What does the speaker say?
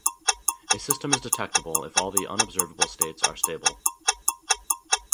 A system is detectable if all the unobservable states are stable.